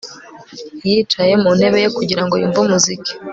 Yicaye mu ntebe ye kugira ngo yumve umuziki